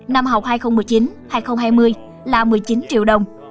năm học hai nghìn một mươi chín hai nghìn hai mươi là một mươi chín triệu đồng